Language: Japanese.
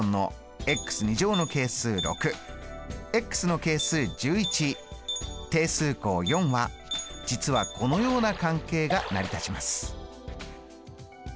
の係数１１定数項４は実はこのような関係が成り立ちます。